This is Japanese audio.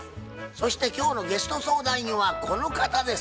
そして今日のゲスト相談員はこの方です。